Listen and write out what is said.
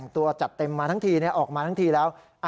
ตัวจัดเต็มมาทั้งทีออกมาทั้งทีแล้ว